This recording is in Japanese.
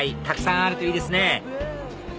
たくさんあるといいですね